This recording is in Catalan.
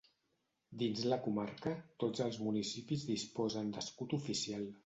Dins la comarca, tots els municipis disposen d'escut oficial.